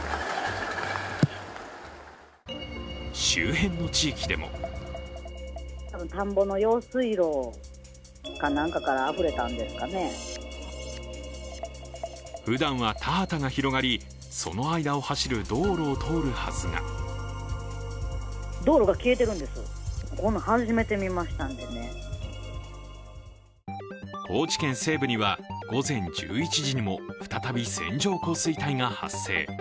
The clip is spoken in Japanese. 周辺の地域でもふだんは田畑が広がり、その間を走る道路を通るはずが高知県西部には、午前１１時にも再び線状降水帯が発生。